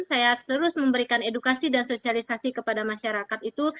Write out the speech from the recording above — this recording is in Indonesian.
saya terus memberikan edukasi dan sosialisasi kepada masyarakat itu